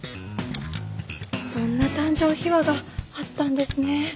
そんな誕生秘話があったんですね。